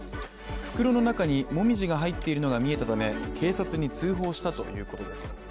袋の中に紅葉が入っているのが見えたため警察に通報したということです。